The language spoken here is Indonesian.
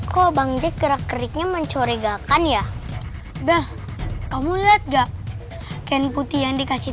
kok bang jek gerak geriknya mencoregakan ya udah kamu lihat gak kain putih yang dikasih